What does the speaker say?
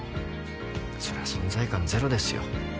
そりゃ存在感ゼロですよ。